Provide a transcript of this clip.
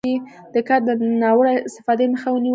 دا کار د ناوړه استفادې مخه ونیول شي.